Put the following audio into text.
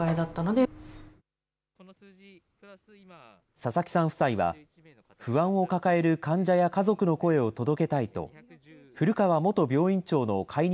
佐々木さん夫妻は、不安を抱える患者や家族の声を届けたいと、古川元病院長の解任